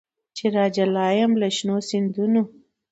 چي راجلا یم له شنو سیندونو